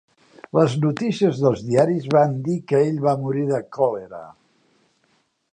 Les notícies dels diaris van dir que ell va morir de còlera.